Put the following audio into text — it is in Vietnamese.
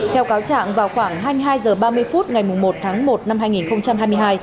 theo cáo trạng vào khoảng hai mươi hai h ba mươi phút ngày một tháng một năm hai nghìn hai mươi hai